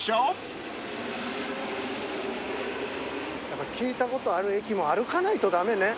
やっぱ聞いたことある駅も歩かないと駄目ね。